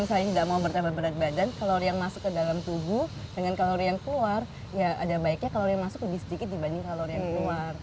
misalnya tidak mau bertambah berat badan kalori yang masuk ke dalam tubuh dengan kalori yang keluar ya ada baiknya kalori yang masuk lebih sedikit dibanding kalori yang keluar